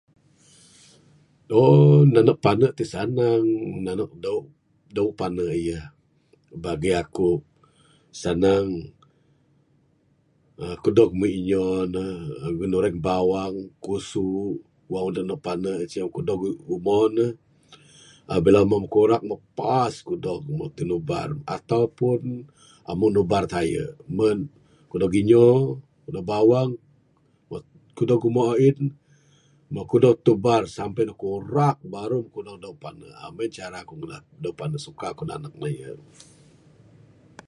uhh nanek pane ti sanang, nanek dawe pane yeh. Bagi aku sanang. Kudog inyo ne ginureng bawang pusu. Wang adep nanek pane sien ce kudog umon ne. Pabila umo meh kurak meh pas kudog ne. Meh tinubar ato pun amu nubar taye. Men kudog inyo kudog bawang kudog umo ain. Meh kudog tubar sampe ne kurak Baru kudog dawe pane meng en cara nanek dawe pane, suka ku nanek ne iye.